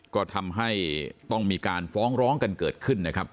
ก็ได้ทำให้มีการฟ้องร้องเกิดขึ้นนะครับ